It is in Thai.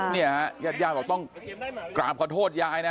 นี่ยัดย่าบอกต้องกราบขอโทษยายนะ